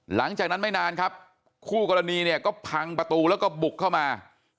หลังจากนั้นไม่นานครับคู่กรณีเนี่ยก็พังประตูแล้วก็บุกเข้ามา